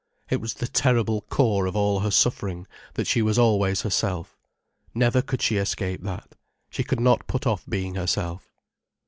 It was the terrible core of all her suffering, that she was always herself. Never could she escape that: she could not put off being herself.